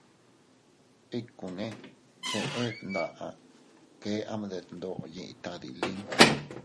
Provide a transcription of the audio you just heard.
Ikkune cheʼe bndaʼa, kee am detndoʼo yiʼi tadilin.